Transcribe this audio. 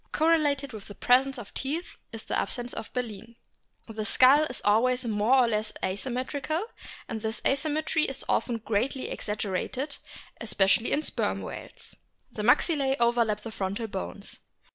Correlated with the presence of teeth is the absence of baleen. The skull is always more or less asymmetrical, and this asymmetry is often greatly exaggerated, especially in the Sperm whales. The maxillae overlap the frontal bones.